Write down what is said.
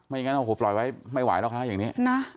ไม่อย่างนั้นปล่อยไว้ไม่ไหวแล้วค่ะอย่างนี้